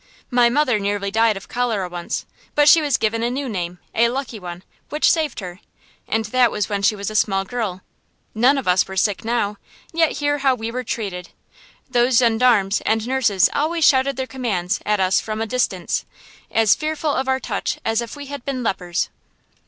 My mother nearly died of cholera once, but she was given a new name, a lucky one, which saved her; and that was when she was a small girl. None of us were sick now, yet hear how we were treated! Those gendarmes and nurses always shouted their commands at us from a distance, as fearful of our touch as if we had been lepers.